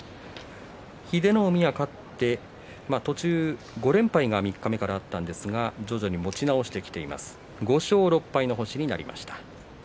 英乃海が勝って途中５連敗が三日目からあったんですが徐々に持ち直してきて５勝６敗の星になりました。